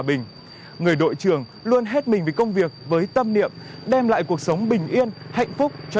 bình người đội trường luôn hết mình với công việc với tâm niệm đem lại cuộc sống bình yên hạnh phúc cho